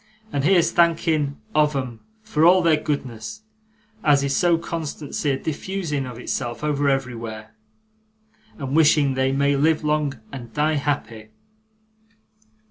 And here's thanking of 'em for all their goodness as is so constancy a diffusing of itself over everywhere, and wishing they may live long and die happy!